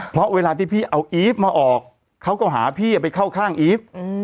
เพราะเวลาที่พี่เอาอีฟมาออกเขาก็หาพี่ไปเข้าข้างอีฟ